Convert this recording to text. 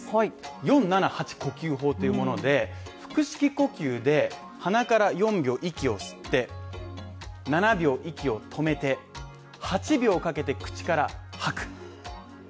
４・７・８呼吸法というもので、腹式呼吸で鼻から４秒かけて息を吸って７秒息を止めて、８秒かけて口から吐く。